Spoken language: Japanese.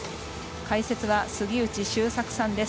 解説は杉内周作さんです。